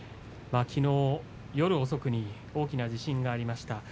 きのう夜遅くに大きな地震がありました。